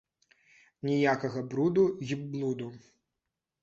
Ніякага бруду й блуду.